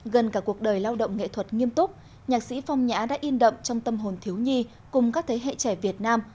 gần cả cuộc đời lao động nghệ thuật nghiêm túc nhạc sĩ phong nhã đã in đậm trong tâm hồn thiếu nhi cùng các thế hệ trẻ việt nam